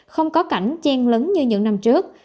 không có cảnh chen lấn như những năm trước